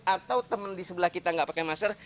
atau teman di sebelah kita nggak pakai masker